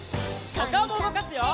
おかおもうごかすよ！